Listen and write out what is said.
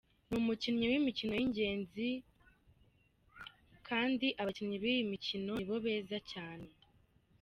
Ni umukinnyi w’imikino y’ingenzi, akandi abakinnyi b’iyi mikino nibo beza cyane.